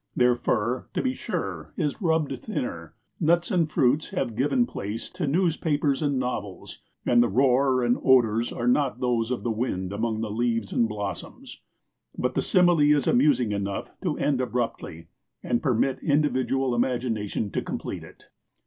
Their fur, to be sure, is rubbed thinner; nuts and fruits have given place to newspapers and novels, and the roar and odors are not those of the wind among the leaves and blossoms. But the simile is amusing enough to end abruptly, and permit individual imagination to complete it.